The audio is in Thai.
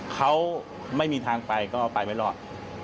เขาไม่มีทางไปก็ไปไม่รอด